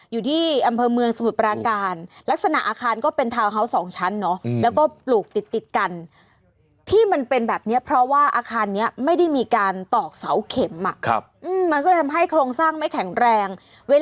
อยู่ที่อำเภอเมืองสมุทรปราการลักษณะอาคารก็เป็นทาวน์เฮาวส์๒ชั้นเนาะแล้วก็ปลูกติดติดกันที่มันเป็นแบบนี้เพราะว่าอาคารนี้ไม่ได้มีการตอกเสาเข็มมันก็เลยทำให้โครงสร้างไม่แข็งแรง